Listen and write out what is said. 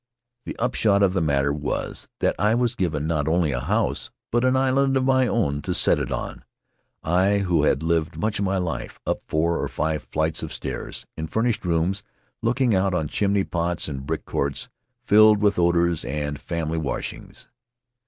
The upshot of the matter was that I was given not only a house, but an island of my own to set it on — I who had lived much of my life up four or five flights of stairs, in furnished rooms looking out on chimney pots and brick courts rilled with odors and family washings.